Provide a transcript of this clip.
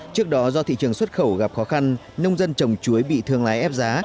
trước đó do thị trường xuất khẩu gặp khó khăn nông dân trồng chuối bị thương lái ép giá